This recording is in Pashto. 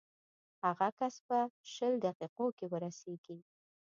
هغه کس به شل دقیقو کې ورسېږي.